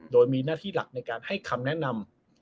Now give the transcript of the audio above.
โดยมีหน้าที่หลักในการให้คำแนะนำ